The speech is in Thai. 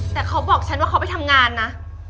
แต่เขาบอกฉันว่าเขาไปทำงานนะ